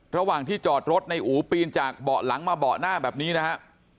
ระหว่างที่จอดรถในอู๋ปีนจากเหล้ามาเหล้าหน้าแบบนี้นะครับ